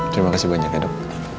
terima kasih banyak ya dok